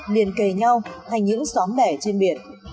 liền kề nhau thành những xóm bẻ trên biển